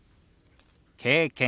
「経験」。